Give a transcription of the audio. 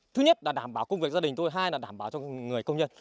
thứ nhất là đảm bảo công việc gia đình tôi hai là đảm bảo cho người công nhân